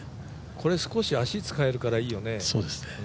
これ、少し足使えるからいいですよね。